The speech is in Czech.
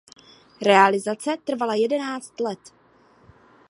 Realizace trvala jedenáct let.